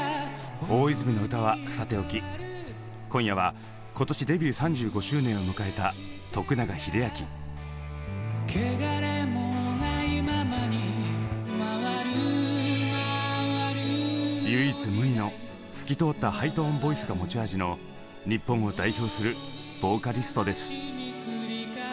大泉の歌はさておき今夜は今年デビュー３５周年を迎えた唯一無二の透き通ったハイトーンボイスが持ち味の日本を代表するボーカリストです。